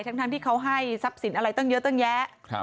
ทั้งที่เขาให้ทรัพย์สินอะไรตั้งเยอะตั้งแยะ